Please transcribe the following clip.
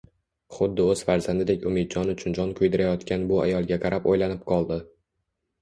Xuddi o`z farzandidek Umidjon uchun jon kuydirayotgan bu ayolga qarab o`ylanib qoldi